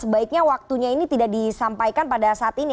sebaiknya waktunya ini tidak disampaikan pada saat ini